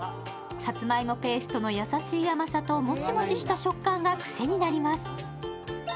さつまいもペーストの優しい甘さともちもちした食感が癖になります。